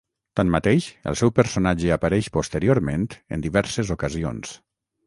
Tanmateix, el seu personatge apareix posteriorment en diverses ocasions.